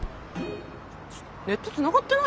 ネットつながってない？